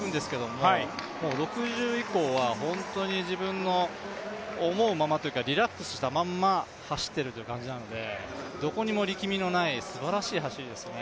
もう６０以降は本当に自分の思うままというか、リラックスしたまま走っているという感じなのでどこにも力みのないすばらしい走りですね。